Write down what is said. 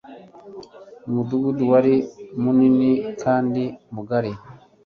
Umudugudu wari munini kandi mugari